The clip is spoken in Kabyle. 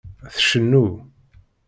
Tcennu.